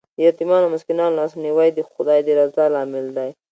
د یتیمانو او مسکینانو لاسنیوی د خدای د رضا لامل دی.